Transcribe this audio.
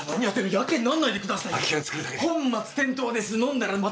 やけになんないでください。